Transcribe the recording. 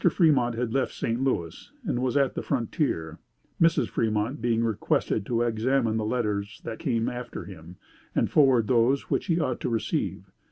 Fremont had left St. Louis, and was at the frontier, Mrs. Fremont being requested to examine the letters that came after him, and forward those which he ought to receive.